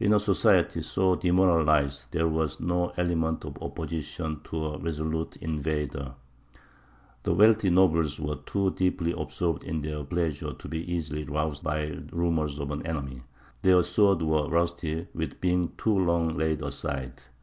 In a society so demoralized there were no elements of opposition to a resolute invader. The wealthy nobles were too deeply absorbed in their pleasures to be easily roused by rumours of an enemy; their swords were rusty with being too long laid aside.